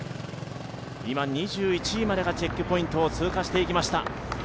今２１位までがチェックポイントを通過していきました。